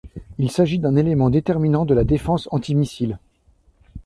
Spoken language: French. Il s'agit d'un élément déterminant de la défense antimissile.